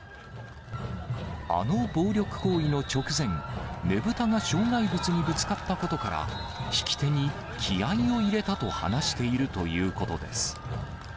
あの暴力行為の直前、ねぶたが障害物にぶつかったことから、引き手に気合いを入れたと話しているということです。